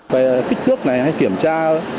về kích thước này hay kiểm tra